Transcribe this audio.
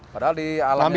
padahal di alamnya sendiri